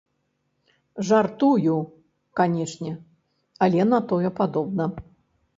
Жартую, канечне, але на тое падобна.